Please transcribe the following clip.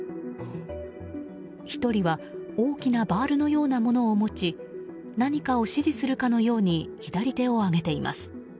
１人は大きなバールのようなものを持ち何かを指示するかのように左手を上げています。